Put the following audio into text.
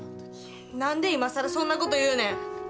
何で今更そんなこと言うねん。